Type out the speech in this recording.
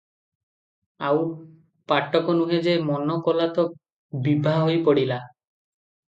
ଆଉ ପାଟକ ନୁହେଁ ଯେ, ମନ କଲା ତ ବିଭା ହୋଇ ପଡ଼ିଲା ।